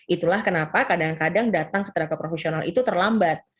itulah kenapa kadang kadang datang ke tenaga profesional itu terlambat